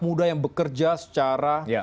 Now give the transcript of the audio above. muda yang bekerja secara